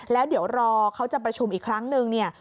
แล้วเดี๋ยวรอเขาจะประชุมอีกครั้งนึงเนี่ย